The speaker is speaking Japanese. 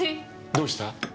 どうした？